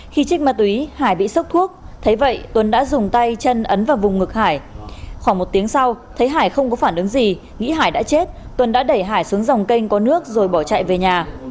khoảng một tiếng sau thấy hải không có phản ứng gì nghĩ hải đã chết tuần đã đẩy hải xuống dòng kênh có nước rồi bỏ chạy về nhà